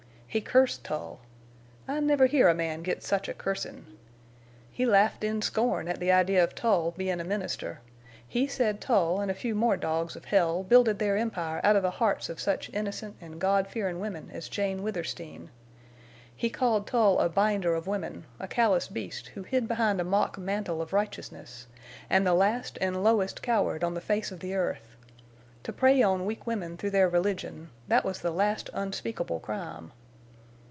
He cursed Tull. I never hear a man get such a cursin'. He laughed in scorn at the idea of Tull bein' a minister. He said Tull an' a few more dogs of hell builded their empire out of the hearts of such innocent an' God fearin' women as Jane Withersteen. He called Tull a binder of women, a callous beast who hid behind a mock mantle of righteousness—an' the last an' lowest coward on the face of the earth. To prey on weak women through their religion—that was the last unspeakable crime!